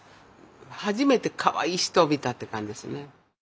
初めてかわいい人を見たって感じですね。